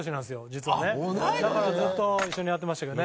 だからずっと一緒にやってましたけどね。